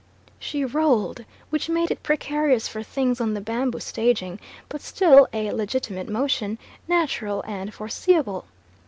She rolled, which made it precarious for things on the bamboo staging, but still a legitimate motion, natural and foreseeable.